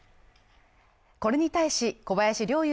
これに対し小林陵